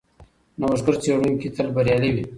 نوښتګر څېړونکي تل بریالي وي.